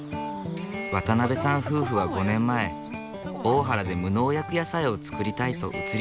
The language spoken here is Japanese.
渡辺さん夫婦は５年前大原で無農薬野菜を作りたいと移り住んできた。